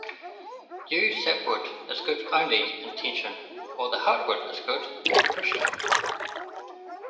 Yew sapwood is good only in tension, while the heartwood is good in compression.